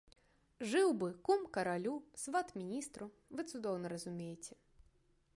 Жыў бы кум каралю, сват міністру, вы цудоўна разумееце.